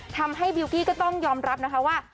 ทำให้บิลกี้ก็ต้องยอมรับนะคะว่า